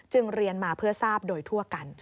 เรียนมาเพื่อทราบโดยทั่วกัน